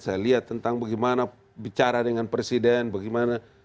saya lihat tentang bagaimana bicara dengan presiden bagaimana